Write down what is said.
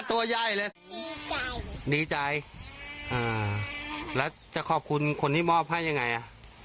ตัวใหญ่เลยงานดีใจหายแล้วจะขอบคุณที่หมอบอย่างไงนะ